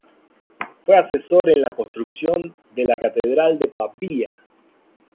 Fue asesor en la construcción de la catedral de Pavía.